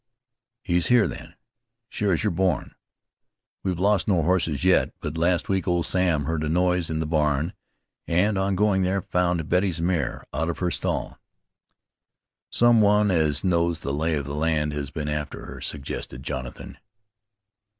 "He's here, then, sure as you're born. We've lost no horses yet, but last week old Sam heard a noise in the barn, and on going there found Betty's mare out of her stall." "Some one as knows the lay of the land had been after her," suggested Jonathan.